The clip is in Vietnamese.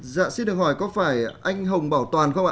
dạ xin được hỏi có phải anh hồng bảo toàn không ạ